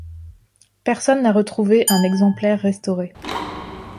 Personne n'a retrouvé un exemplaire restauré.